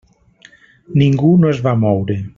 Ningú no es va moure.